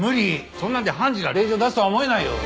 そんなので判事が令状を出すとは思えないよ。